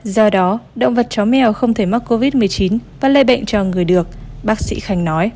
do đó động vật chó mèo không thể mắc covid một mươi chín và lây bệnh cho người được bác sĩ khanh nói